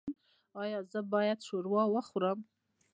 ایا زه باید شوروا وخورم؟